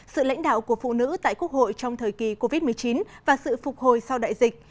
sự lãnh đạo của phụ nữ tại quốc hội trong thời kỳ covid một mươi chín và sự phục hồi sau đại dịch